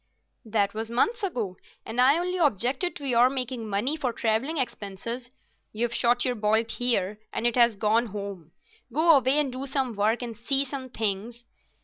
"That was months ago, and I only objected to your making money for travelling expenses. You've shot your bolt here and it has gone home. Go away and do some work, and see some things."